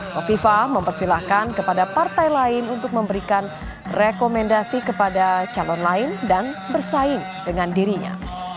kofifah mempersilahkan kepada partai lain untuk memberikan rekomendasi kepada calon lain dan bersaing dengan dirinya